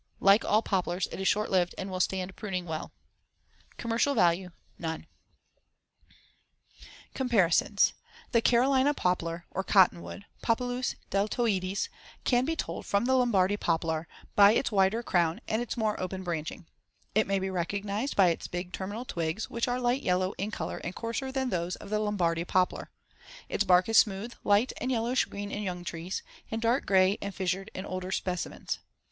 Like all poplars it is short lived and will stand pruning well. Commercial value: None. [Illustration: FIG. 41. Carolina Poplar.] Comparisons: The Carolina poplar, or Cottonwood (Populus deltoides) can be told from the Lombardy poplar by its wider crown and its more open branching, Fig. 41. It may be recognized by its big terminal twigs, which are light yellow in color and coarser than those of the Lombardy poplar, Fig. 42. Its bark is smooth, light and yellowish green in young trees, and dark gray and fissured in older specimens.